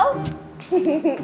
nih kak ibu seklas